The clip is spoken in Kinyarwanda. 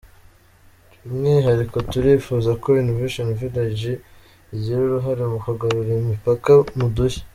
By’umwihariko turifuza ko Innovation Village igira uruhare mu kwagura imipaka mu dushya.